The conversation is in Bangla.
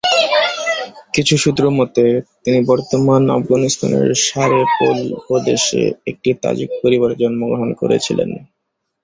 কিছু সূত্র মতে, তিনি বর্তমান আফগানিস্তানের সারে-পোল প্রদেশে একটি তাজিক পরিবারে জন্মগ্রহণ করেছিলেন।